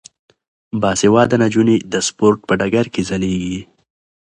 باسواده نجونې د سپورت په ډګر کې ځلیږي.